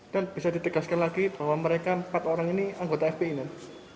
dan bisa ditegaskan lagi bahwa mereka empat orang ini anggota fpi kan